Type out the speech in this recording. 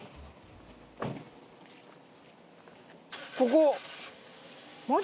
ここ。